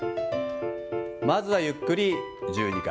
まずはゆっくり１２回。